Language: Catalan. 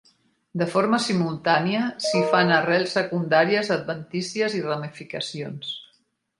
De forma simultània s'hi fan arrels secundàries adventícies i ramificacions.